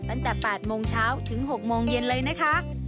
ตั้งแต่๘โมงเช้าถึง๖โมงเย็นเลยนะคะ